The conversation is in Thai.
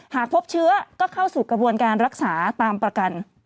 หากพบเชื้อก็เข้าสู่กระบวนการรักษาตามประกัน